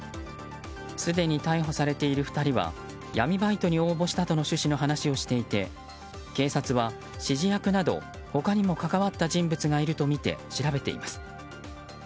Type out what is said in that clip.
すでに逮捕されている２人は闇バイトに応募したとの趣旨の話をしていて警察は指示役など他にも関わった人物がいるとみて調べています。